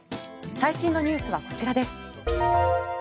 最新のニュースはこちらです。